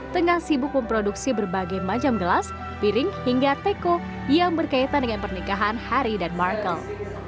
tengah sibuk memproduksi berbagai macam gelas piring hingga teko yang berkaitan dengan pernikahan harry dan markle